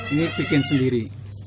ini bikin sendiri